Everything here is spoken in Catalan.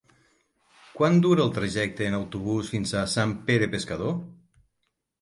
Quant dura el trajecte en autobús fins a Sant Pere Pescador?